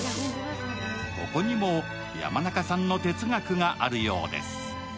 ここにも山中さんの哲学があるようです。